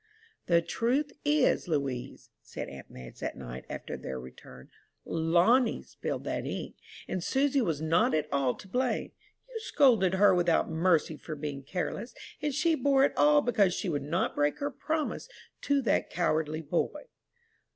"The truth is, Louise," said aunt Madge that night, after their return, "Lonnie spilled that ink, and Susy was not at all to blame. You scolded her without mercy for being careless, and she bore it all because she would not break her promise to that cowardly boy."